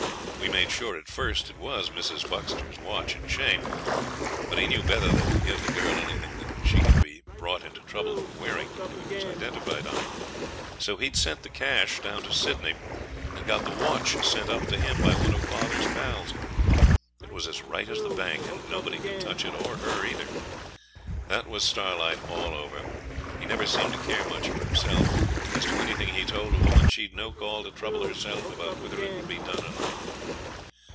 We made sure at first it was Mrs. Buxter's watch and chain; but he knew better than to give the girl anything that she could be brought into trouble for wearing, if it was identified on her; so he'd sent the cash down to Sydney, and got the watch sent up to him by one of father's pals. It was as right as the bank, and nobody could touch it or her either. That was Starlight all over; he never seemed to care much for himself. As to anything he told a woman, she'd no call to trouble herself about whether it would be done or not.